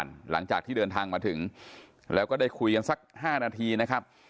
หลังจากที่เดินทางมาถึงแล้วก็ได้คุยกันสัก๕นาทีนะครับ